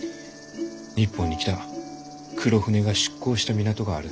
日本に来た黒船が出航した港がある。